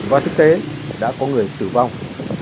và thực tế đã có người tử vong